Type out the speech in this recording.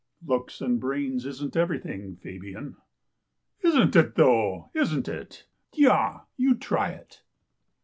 " Looks and brains isn't everything, Fabian." " Isn't it, though ! Isn't it? Tiois! You try it."